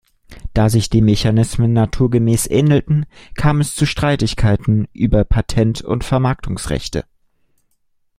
Da sich die Mechanismen naturgemäß ähnelten, kam es zu Streitigkeiten über Patent- und Vermarktungsrechte.